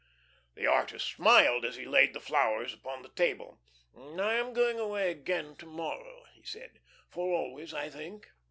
The artist smiled as he laid the flowers upon the table. "I am going away again to morrow," he said, "for always, I think.